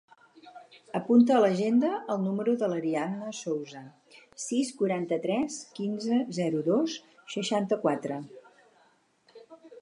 Apunta a l'agenda el número de l'Ariadna Souza: sis, quaranta-tres, quinze, zero, dos, seixanta-quatre.